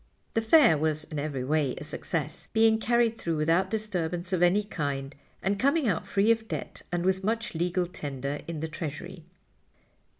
The Fair was in every way a success, being carried through without disturbance of any kind and coming out free of debt and with much legal tender in the treasury.